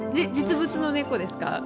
実物の猫ですか？